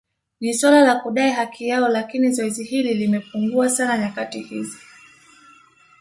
Ni suala la kudai haki yao lakini zoezi hili limepungua sana nyakati hizi